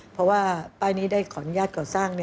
เพราะว่าป้ายนี้ได้ขออนุญาตก่อสร้าง